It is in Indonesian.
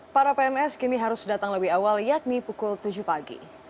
para pns kini harus datang lebih awal yakni pukul tujuh pagi